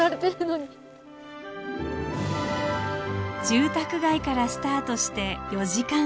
住宅街からスタートして４時間半。